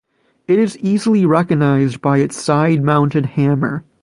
It is easily recognized by its side-mounted hammer.